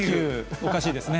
おかしいですね。